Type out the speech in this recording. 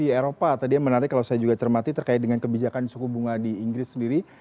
di eropa tadi yang menarik kalau saya juga cermati terkait dengan kebijakan suku bunga di inggris sendiri